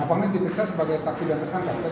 apakah yang diperiksa sebagai saksi dan tersangka